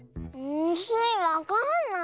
スイわかんない。